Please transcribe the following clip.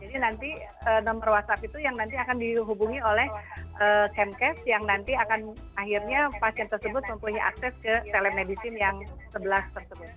jadi nanti nomor whatsapp itu yang nanti akan dihubungi oleh kemkes yang nanti akan akhirnya pasien tersebut mempunyai akses ke telemedicine yang sebelas tersebut